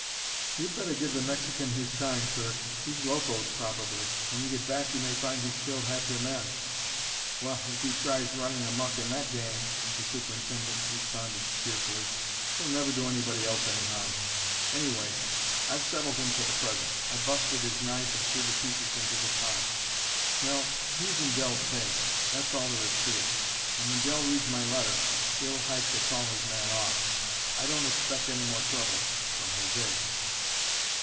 "You'd better give the Mexican his time, Curt. He's locoed probably; when you get back you may find he's killed half your men." "Well, if he tries running a muck in that gang," the superintendent responded cheerfully, "he'll never do anybody else any harm. Anyway, I've settled him for the present; I busted his knife and threw the pieces into the pond. No; he's in Dell's pay; that's all there is to it; and when Dell reads my letter he'll hike to call his man off. I don't expect any more trouble from José."